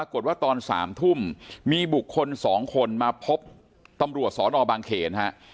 ปรากฏว่าตอน๓ทุ่มมีบุกคน๒คนมาพบตำรัวสรรอบางเขนฮะ